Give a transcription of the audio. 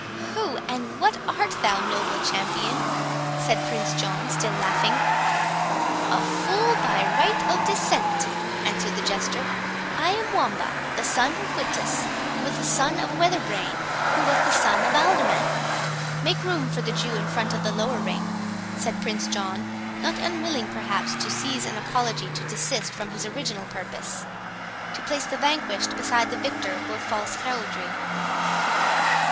"Who, and what art thou, noble champion?" said Prince John, still laughing. "A fool by right of descent," answered the Jester; "I am Wamba, the son of Witless, who was the son of Weatherbrain, who was the son of an Alderman." "Make room for the Jew in front of the lower ring," said Prince John, not unwilling perhaps to seize an apology to desist from his original purpose; "to place the vanquished beside the victor were false heraldry."